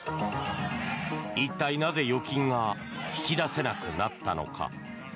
一体、なぜ預金が引き出せなくなったのか。